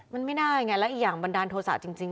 มันไม่ได้ไงแล้วอีกอย่างบันดาลโทษะจริง